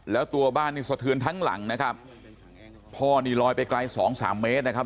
แล้วตัวบ้านนี่สะเทือนทั้งหลังนะครับพ่อนี่ลอยไปไกลสองสามเมตรนะครับ